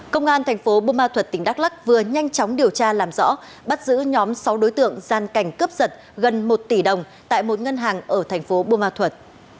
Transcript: công an tp bùa ma thuật tỉnh đắk lắc vừa nhanh chóng điều tra làm rõ bắt giữ nhóm sáu đối tượng gian cảnh cướp giật gần một tỷ đồng tại một ngân hàng ở tp bùa ma thuật